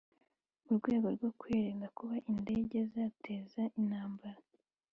urwego rwo kwirinda kuba indege zateza intambara